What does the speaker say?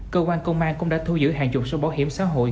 cơ quan công an cũng đã thu giữ hàng chục số bảo hiểm xã hội